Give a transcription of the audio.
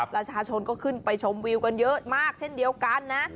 ประชาชนก็ขึ้นไปชมวิวกันเยอะมากเช่นเดียวกันนะ